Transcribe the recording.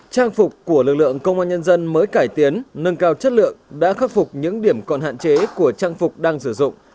trang phục của lực lượng công an nhân dân mới cải tiến nâng cao chất lượng đã khắc phục những điểm còn hạn chế của trang phục đang sử dụng